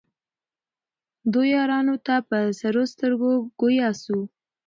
دوو یارانو ته په سرو سترګو ګویا سو